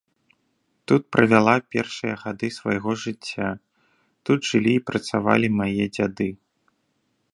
Тут правяла першыя гады свайго жыцця, тут жылі і працавалі мае дзяды.